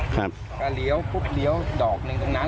ครับก็เลี้ยวปุ๊บเลี้ยวดอกหนึ่งตรงนั้น